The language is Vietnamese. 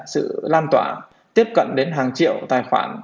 sự lan tỏa tiếp cận đến hàng triệu tài khoản